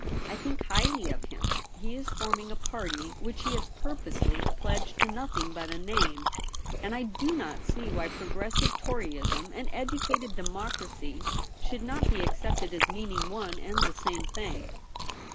I think highly of him. He Is forming a party which he has purposely pledged to nothing but a name ; and I do not see why Progressive Toryism and Educated Democracy should not be accepted as meaning one and the same thln^.'